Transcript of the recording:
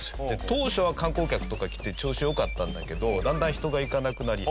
当初は観光客とか来て調子良かったんだけどだんだん人が行かなくなり。